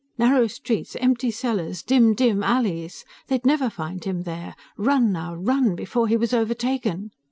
Narrow streets, empty cellars, dim, dim alleys. They'd never find him there! Run now, run before he was overtaken!